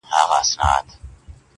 • ته مي کله هېره کړې يې.